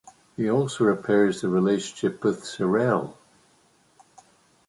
He also repairs the relationship with Cerrelle.